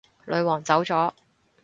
女皇走咗